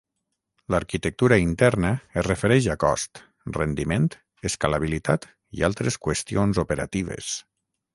L'arquitectura interna es refereix a cost, rendiment, escalabilitat i altres qüestions operatives.